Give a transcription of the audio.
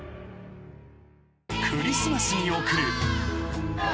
［クリスマスに送る］